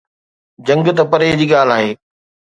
جنگ ته پري جي ڳالهه آهي.